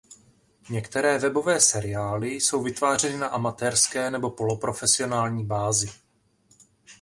Některé webové seriály jsou vytvářeny na amatérské nebo poloprofesionální bázi.